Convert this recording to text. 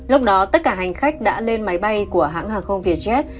lúc đó tất cả hành khách đã lên máy bay của hãng hàng không vietjet